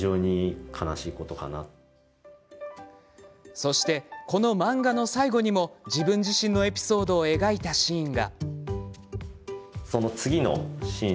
そして、この漫画の最後にも自分自身のエピソードを描いたシーンが。